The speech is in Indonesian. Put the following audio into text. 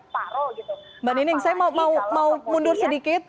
mbak nining saya mau mundur sedikit